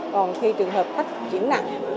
còn khi trường hợp khách chuyển nặng